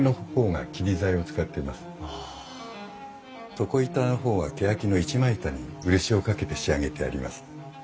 床板の方はけやきの一枚板に漆をかけて仕上げてあります。